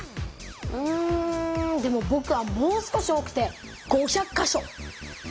うんでもぼくはもう少し多くて５００か所！